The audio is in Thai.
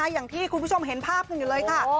อย่างที่คุณผู้ชมเห็นภาพขึ้นเลยค่ะ